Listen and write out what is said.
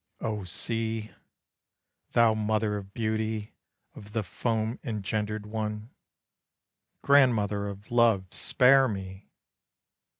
O sea. Thou mother of beauty, of the foam engendered one, Grandmother of love, spare me!